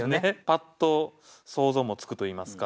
パッと想像もつくといいますか。